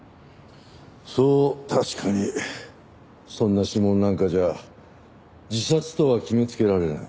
そう確かにそんな指紋なんかじゃ自殺とは決めつけられない。